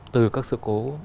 từ các sự cố